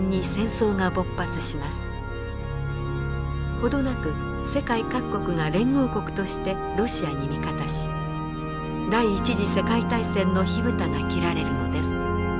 程なく世界各国が連合国としてロシアに味方し第一次世界大戦の火蓋が切られるのです。